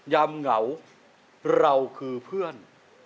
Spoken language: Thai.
ำเหงาเราคือเพื่อน